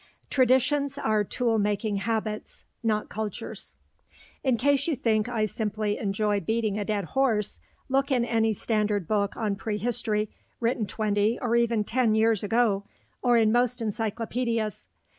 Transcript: TRADITIONS ARE TOOL MAKING HABITS, NOT CULTURES In case you think I simply enjoy beating a dead horse, look in any standard book on prehistory written twenty (or even ten) years ago, or in most encyclopedias.